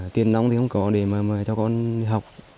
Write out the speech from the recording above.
tiền nông thì không có để mà cho con học